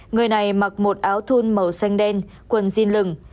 người này mặc một áo thun màu xanh đen quần jin lừng